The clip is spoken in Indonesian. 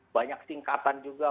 banyak singkatan juga